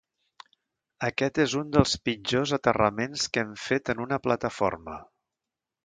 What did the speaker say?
Aquest és un dels pitjors aterraments que hem fet en una plataforma.